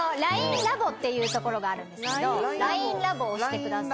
っていう所があるんですけどＬＩＮＥラボを押してください。